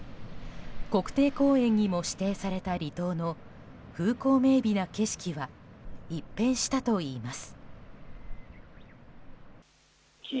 国定公園にも指定された離島の風光明媚な景色が一変したといいます。